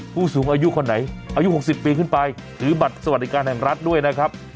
ผู้สูงอายุคนไหนอายุ๖๐ปีขึ้นไปถือบัตรสวัสดิการแห่งรัฐด้วยนะครับ